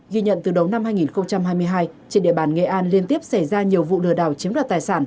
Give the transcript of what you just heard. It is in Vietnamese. ghi nhận từ đầu năm hai nghìn hai mươi hai trên địa bàn nghệ an liên tiếp xảy ra nhiều vụ lừa đảo chiếm đoạt tài sản